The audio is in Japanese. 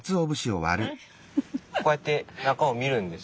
こうやって中を見るんですよ。